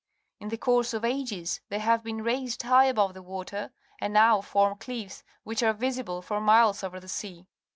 In the course of ages thej^ have been raised high above the water, and now form cliffs, which are visible for miles over the sea.